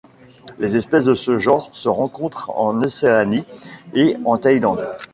Les espèces de ce genre se rencontrent en Océanie et en Thaïlande.